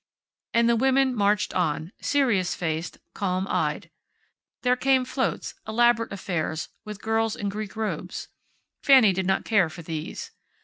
And the women marched on, serious faced, calm eyed. There came floats; elaborate affairs, with girls in Greek robes. Fanny did not care for these.